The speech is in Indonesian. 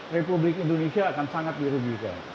republik indonesia akan sangat dirugikan